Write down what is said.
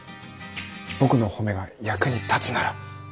僕の褒めが役に立つなら。